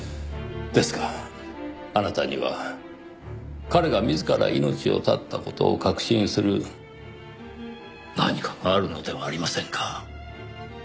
ですがあなたには彼が自ら命を絶った事を確信する何かがあるのではありませんか？